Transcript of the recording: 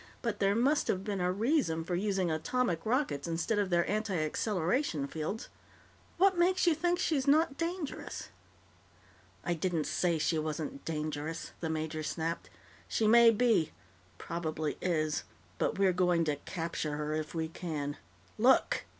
But there must have been a reason for using atomic rockets instead of their antiacceleration fields. What makes you think she's not dangerous?" "I didn't say she wasn't dangerous," the major snapped. "She may be. Probably is. But we're going to capture her if we can. Look!"